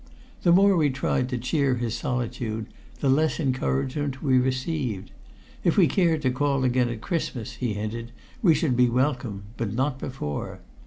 The more we tried to cheer his solitude, the less encouragement we received. If we cared to call again at Christmas, he hinted, we should be welcome, but not before.